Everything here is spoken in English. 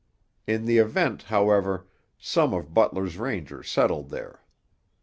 In the event, however, some of Butler's Rangers settled there.